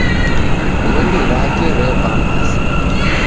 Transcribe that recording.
Ng'ondi rake reva masa.